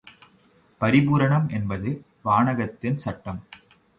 பரிபூரணம் என்பது வானகத்தின் சட்டம்.